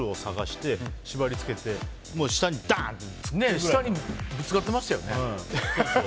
下にぶつかっていましたよね。